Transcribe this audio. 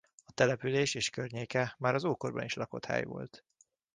A település és környéke már az ókorban is lakott hely volt.